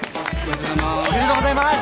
おめでとうございます！